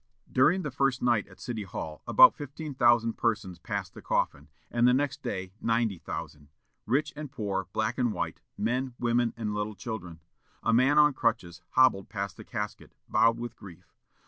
During the first night at the City Hall, about fifteen thousand persons passed the coffin, and the next day ninety thousand; rich and poor, black and white; men, women, and little children. A man on crutches hobbled past the casket, bowed with grief.